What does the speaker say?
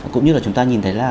cũng như là chúng ta nhìn thấy là